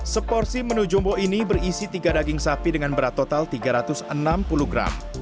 seporsi menu jumbo ini berisi tiga daging sapi dengan berat total tiga ratus enam puluh gram